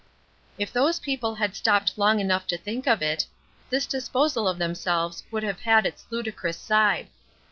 If those people had stopped long enough to think of it, this disposal of themselves would have had its ludicrous side.